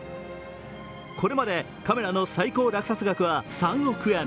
これまでカメラの最高落札額は３億円。